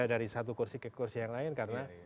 dari satu kursi ke kursi yang lain karena